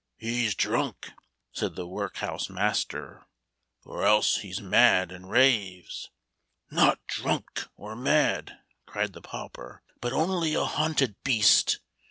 " He 's drunk !" said the workhouse master, •* Or else he 's mad, affd raves." " Not drunk or mad," cried the pauper, " But only a hunted beast.